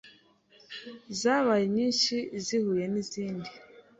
Zabaye nyinshi zihuye n'izindi